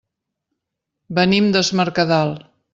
Venim des Mercadal.